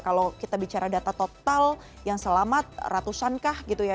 kalau kita bicara data total yang selamat ratusan kah gitu ya